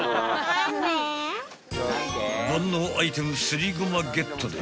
［万能アイテムすりごまゲットで］